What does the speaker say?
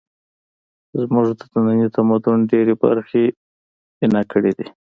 زموږ د ننني تمدن ډېرې برخې یې بنا کړې دي